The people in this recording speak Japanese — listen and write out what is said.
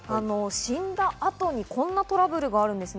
死んだ後にこんなトラブルがあるんです。